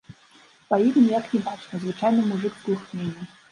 Па ім ніяк не бачна, звычайны мужык з глухмені.